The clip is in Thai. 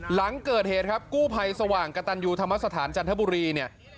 หลังเกิดเหตุครับกู้ภัยสว่างกระตันยูธรรมสถานจันทบุรีเนี่ย